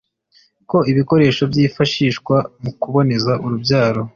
ko ibikoresho byifashishwa mu kuboneza urubyaro